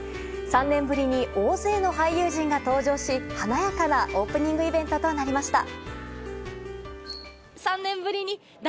３年ぶりの大勢の俳優陣が登場し華やかなオープニングイベントとなりました。